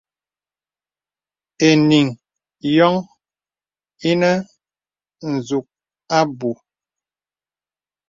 Eniŋ yōŋ inə zūk abū.